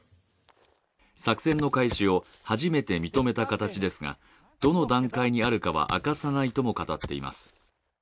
作戦の開始を初めて認めた形ですが、どの段階にあるかは明かさないとも語っています。